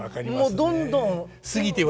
もうどんどん。